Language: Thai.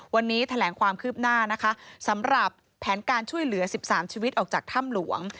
วันนี้แถลงความคืบหน้านะคะสำหรับแผนการช่วยเหลือ๑๓ชีวิตออกจากถ้ำหลวง